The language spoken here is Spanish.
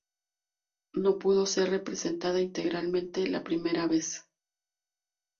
No pudo ser representada íntegramente la primera vez.